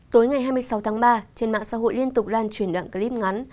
tối ngày hai mươi sáu tháng ba trên mạng xã hội liên tục lan truyền đoạn clip ngắn